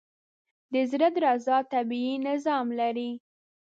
د زړه درزا طبیعي نظام لري.